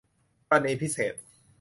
กรณีพิเศษ